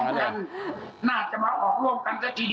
น่าจะมาออกร่วมกันเท่าที่เดียว๓องค์เลย